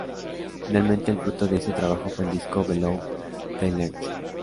Finalmente el fruto de este trabajo fue el disco "Below the Lights".